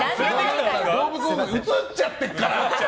映っちゃってるから！